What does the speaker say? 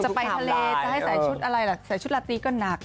จะไปทะเลจะให้ใส่ชุดอะไรล่ะใส่ชุดลาตีก็หนัก